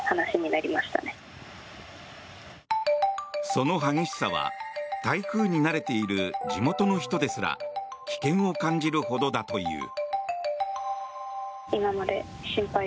その激しさは台風に慣れている地元の人ですら危険を感じるほどだという。